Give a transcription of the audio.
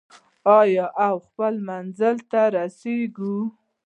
آیا او خپل منزل ته ورسیږو؟